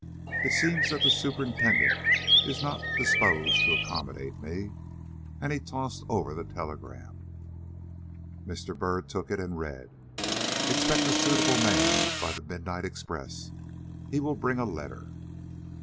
"It seems that the superintendent is not disposed to accommodate me." And he tossed over the telegram. Mr. Byrd took it and read: "Expect a suitable man by the midnight express. He will bring a letter."